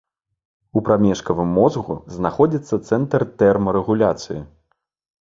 У прамежкавым мозгу знаходзіцца цэнтр тэрмарэгуляцыі.